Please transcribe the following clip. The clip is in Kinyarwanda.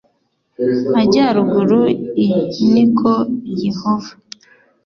majyaruguru i ni ko Yehova